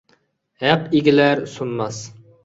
ھەق ئېگىلەر، سۇنماس!